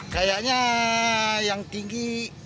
kayaknya yang tinggi